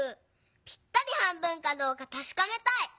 ぴったり半分かどうかたしかめたい！